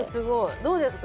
どうですか？